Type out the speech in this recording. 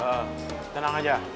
eh tenang aja